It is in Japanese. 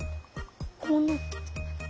こうなってた。